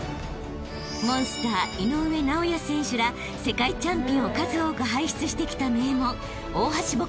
［モンスター井上尚弥選手ら世界チャンピオンを数多く輩出してきた］